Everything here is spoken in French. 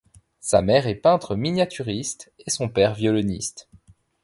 Sa mère est peintre miniaturiste et son père violoniste.